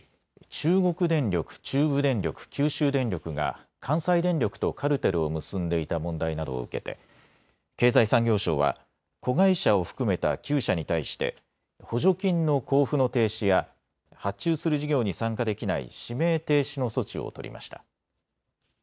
中国電力、中部電力、九州電力が関西電力とカルテルを結んでいた問題などを受けて経済産業省は子会社を含めた９社に対して補助金の交付の停止や発注する事業に参加できない指名停止の措置を取りました。